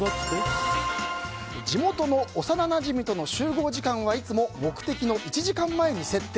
地元の幼なじみとの集合時間はいつも目的の１時間前に設定。